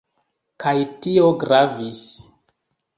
Kaj tio gravis.